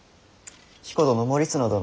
彦殿守綱殿。